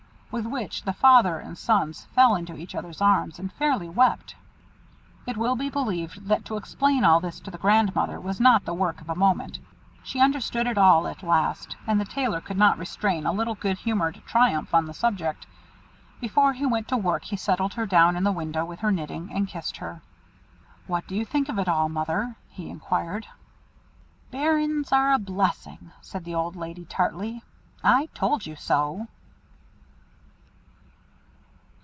With which the father and sons fell into each other's arms and fairly wept. It will be believed that to explain all this to the Grandmother was not the work of a moment. She understood it all at last, however, and the Tailor could not restrain a little good humoured triumph on the subject. Before he went to work he settled her down in the window with her knitting, and kissed her. "What do you think of it all, Mother?" he inquired. "Bairns are a blessing," said the old lady tartly, "_I told you so.